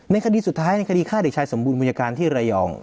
คดีสุดท้ายในคดีฆ่าเด็กชายสมบูรณบุญญาการที่ระยอง